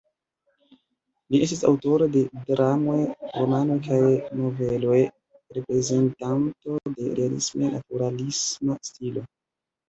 Li estis aŭtoro de dramoj, romanoj kaj noveloj, reprezentanto de realisme-naturalisma stilo.